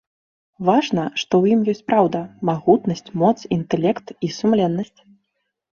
Важна, што ў ім ёсць праўда, магутнасць, моц, інтэлект і сумленнасць.